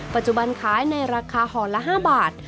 ปัจจุบันขายในราคาห่อละ๕บาท